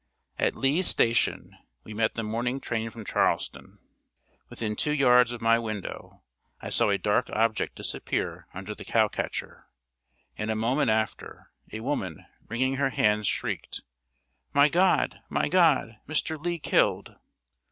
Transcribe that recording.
At Lee's Station we met the morning train from Charleston. Within two yards of my window, I saw a dark object disappear under the cow catcher; and a moment after, a woman, wringing her hands, shrieked: "My God! My God! Mr. Lee killed!"